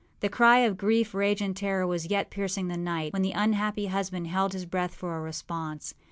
The cry of grief, rage, and terror was yet piercing the night, when the unhappy husband held his breath for a response.